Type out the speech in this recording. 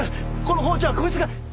この包丁はこいつが。